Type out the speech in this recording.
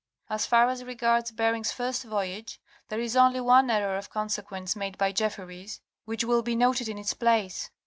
As far as regards Bering's first voyage, there is only one error of consequence made by Jefferys, which will be noted in its place.